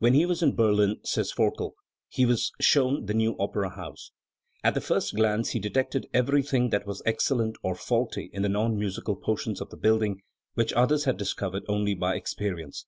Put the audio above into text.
"When he was in Berlin", says Forkel, "he was shown the new opera house. At the first glance he detected every thing that was excellent or faulty in the non musical por tions of the building, which others had discovered only by experience.